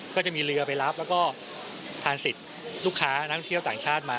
ก็จะมีเรือไปรับแล้วก็ทานสิทธิ์ลูกค้านักท่องเที่ยวต่างชาติมา